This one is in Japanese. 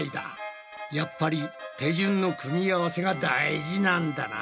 やっぱり手順の組み合わせが大事なんだな。